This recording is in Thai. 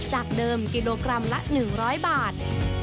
จากเดิมกิโลกรัมละ๑๐๐บาท